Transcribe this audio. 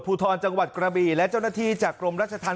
ภูทรจังหวัดกระบีและเจ้าหน้าที่จากกรมราชธรรม